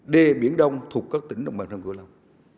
đê biển đông thuộc các tỉnh đồng bằng sông cửa lông